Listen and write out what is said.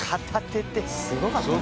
すごかったよね。